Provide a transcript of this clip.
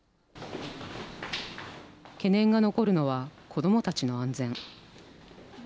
懸念が残るのは子どもたちの安全。